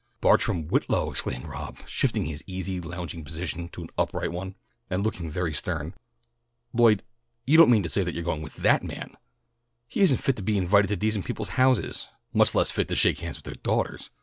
"Bartrom Whitlow!" exclaimed Rob, shifting his easy lounging position to an upright one, and looking very stern. "Lloyd, you don't mean to say you're going with that man! He isn't fit to be invited to decent people's houses, much less fit to shake hands with their daughters.